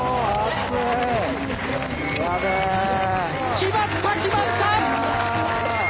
決まった決まった！